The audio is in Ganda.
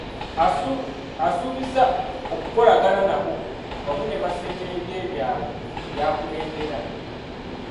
Asuubizza okukolagana n’abo, wamu ne bassentebe b’ebyalo by’akulembera.